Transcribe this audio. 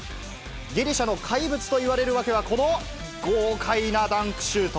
ギリシャの怪物といわれる訳は、この豪快なダンクシュート。